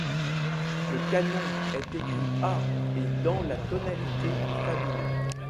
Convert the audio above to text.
Le canon est écrit à et dans la tonalité de fa mineur.